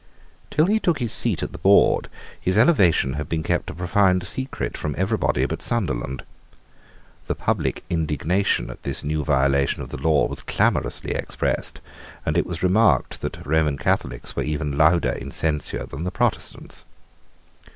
Till he took his seat at the board, his elevation had been kept a profound secret from everybody but Sunderland. The public indignation at this new violation of the law was clamorously expressed; and it was remarked that the Roman Catholics were even louder in censure than the Protestants.